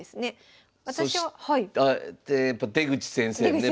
でやっぱ出口先生はね